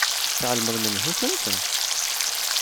Tεelmeḍ menhu-tent?